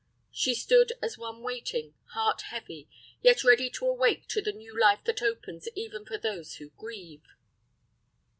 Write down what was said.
She stood as one waiting, heart heavy, yet ready to awake to the new life that opens even for those who grieve.